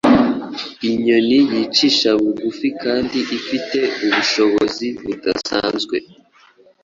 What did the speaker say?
inyoni yicisha bugufi kandi ifite ubushobozi budasanzwe